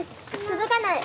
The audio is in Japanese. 届かない。